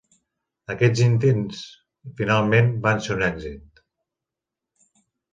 Aquests intents finalment van ser un èxit.